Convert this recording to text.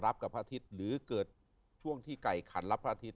กับพระอาทิตย์หรือเกิดช่วงที่ไก่ขันรับพระอาทิตย